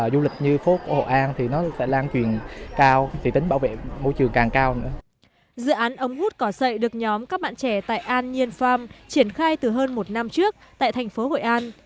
dự án ống hút cỏ sậy được nhóm các bạn trẻ tại an nhiên farm triển khai từ hơn một năm trước tại thành phố hội an